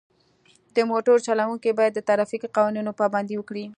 د موټر چلوونکي باید د ترافیکي قوانینو پابندي وکړي.